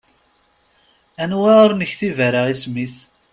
Anwa ur nektib ara isem-is?